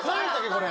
これ。